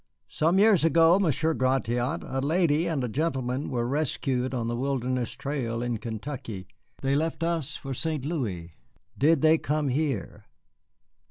"Some years ago, Monsieur Gratiot, a lady and a gentleman were rescued on the Wilderness Trail in Kentucky. They left us for St. Louis. Did they come here?"